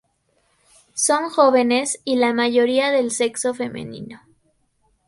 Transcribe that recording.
Son jóvenes, y la mayoría del sexo femenino.